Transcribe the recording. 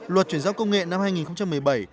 luật chuyển giao công nghệ năm hai nghìn một mươi bảy